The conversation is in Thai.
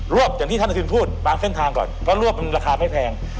วบอย่างที่ท่านอธินพูดบางเส้นทางก่อนเพราะรวบมันราคาไม่แพง